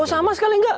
oh sama sekali enggak